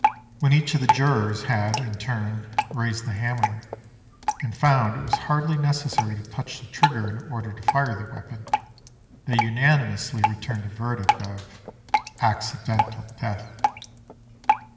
When each of the jurors had, in turn, raised the hammer, and found it was hardly necessary to touch the trigger in order to fire the weapon, they unanimously returned a verdict of 'accidental death.